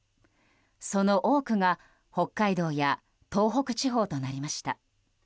その多くが北海道や東北地方となりました。